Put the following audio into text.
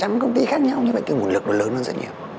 trăm công ty khác nhau nhưng mà cái nguồn lực nó lớn hơn rất nhiều